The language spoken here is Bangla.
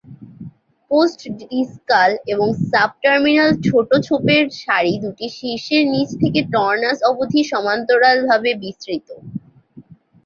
পোস্ট-ডিসকাল এবং সাবটার্মিনাল ছোট ছোপের সারি দুটি শীর্ষের নিচ থেকে টর্নাস অবধি সমান্তরালভাবে বিস্তৃত।